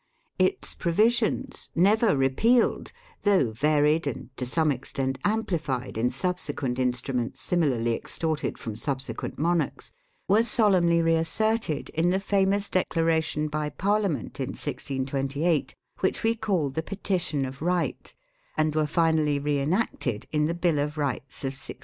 Its provisions, never repealed, though varied and to some extent amplified in subsequent instruments PREFACE xiii similarly extorted from subsequent monarchs, were solemnly reasserted in the famous declaration by Parliament in 1628 which we call the Petition of Right, and were finally re enacted in the Bill of Rights of 1689.